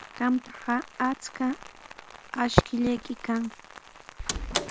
Qampaqa achka ashkallayki kan.